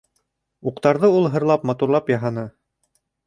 Уҡтарҙы ул һырлап, матурлап яһаны.